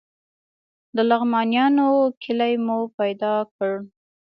د لغمانیانو کلی مو پیدا کړ.